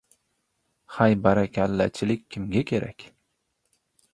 Haybarakallachilik kimga kerak?..